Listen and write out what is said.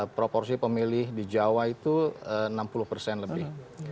proporsi pemilih di jawa itu enam puluh persen lebih